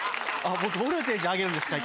僕ボルテージ上げるんですか？